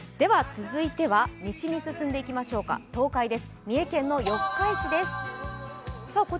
続いては西に進んでいきましょうか、東海です。